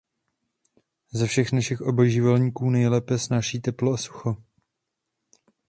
Ze všech našich obojživelníků nejlépe snáší teplo a sucho.